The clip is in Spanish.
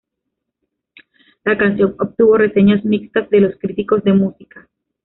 La canción obtuvo reseñas mixtas de los críticos de música.